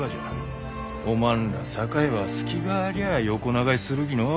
おまんら酒屋は隙がありゃあ横流しするきのう。